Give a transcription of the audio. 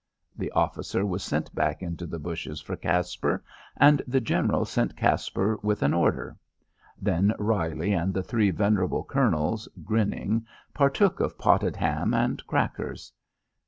The officer was sent back into the bushes for Caspar, and the General sent Caspar with an order. Then Reilly and the three venerable Colonels, grinning, partook of potted ham and crackers.